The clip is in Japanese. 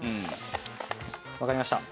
わかりました。